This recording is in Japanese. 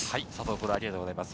プロ、ありがとうございます。